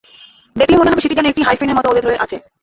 দেখলে মনে হবে সেটি যেন একটা হাইফেনের মতো ওদের ধরে আছে।